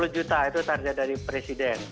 dua puluh juta itu target dari presiden